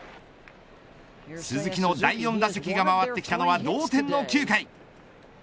鈴木の第４打席が回ってきたのは同点の９回。